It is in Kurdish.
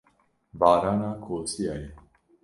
barana kosiya ye.